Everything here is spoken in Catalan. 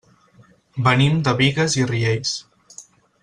Venim de Bigues i Riells.